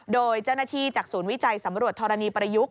โดยเจ้าหน้าที่จากศูนย์วิจัยสำรวจธรณีประยุกต์